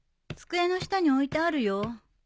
机の下に置いてあるよ。